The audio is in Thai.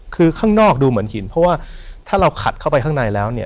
คือข้างนอกดูเหมือนหินเพราะว่าถ้าเราขัดเข้าไปข้างในแล้วเนี่ย